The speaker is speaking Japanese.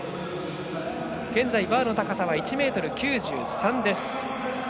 現在バーの高さは１ｍ９３です。